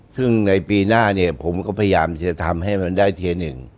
ซึ่งในปีหน้าเนี่ยผมก็พยายามจะทำให้มันได้ทีหนึ่ง